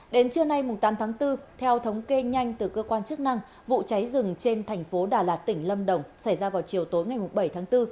đến trưa nay tám tháng bốn theo thống kê nhanh từ cơ quan chức năng vụ cháy rừng trên thành phố đà lạt tỉnh lâm đồng xảy ra vào chiều tối ngày bảy tháng bốn